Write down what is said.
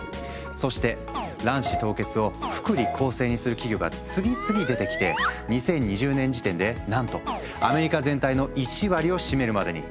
そして卵子凍結を福利厚生にする企業が次々出てきて２０２０年時点でなんとアメリカ全体の１割を占めるまでに。